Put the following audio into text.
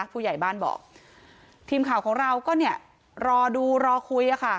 ผู้ใหญ่บ้านบอกทีมข่าวของเราก็เนี่ยรอดูรอคุยอะค่ะ